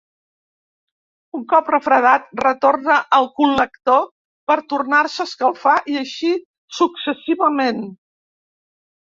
Un cop refredat, retorna al col·lector per tornar-se a escalfar, i així successivament.